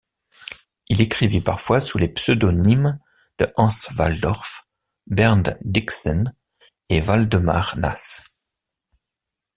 Il écrivit parfois sous les pseudonymes de Hans Walldorf, Bernd Diksen et Waldemar Naß.